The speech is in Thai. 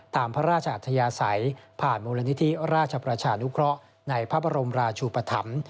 ตามพระราชอัธยาศัยผ่านมูลนิธิราชประชานุเคราะห์ในพระบรมราชูปธรรม